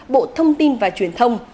bộ thông tin và truyền thông